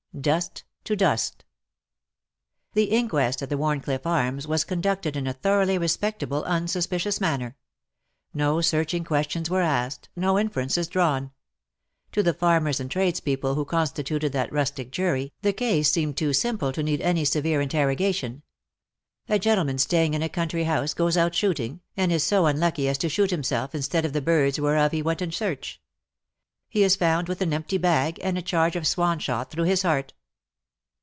DUST TO DUST/^ The inquest at the WharnclifFe Arms was conducted in a thoroughly respectable, unsuspicious manner. No searching questions were asked, no inferences drawn. To the farmers and tradespeople who consti tuted that rustic jury, the case seemed too simple to need any severe interrogation. A gentleman staying in a country house goes out shooting, and is so unlucky as to shoot himself instead of the birds whereof he went in search. He is found with an empty bag, and a charge of swan shot through his heart.